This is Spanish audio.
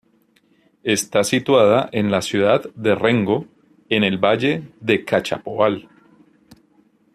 Está situada en la ciudad de Rengo, en el Valle del Cachapoal.